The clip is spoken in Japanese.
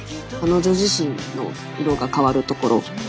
彼女自身の色が変わるところ。